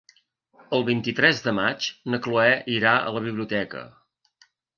El vint-i-tres de maig na Chloé irà a la biblioteca.